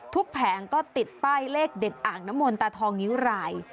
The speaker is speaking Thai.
แผงก็ติดป้ายเลขเด็ดอ่างน้ำมนตาทองนิ้วราย